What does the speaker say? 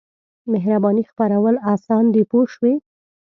مهربانۍ خپرول اسان دي پوه شوې!.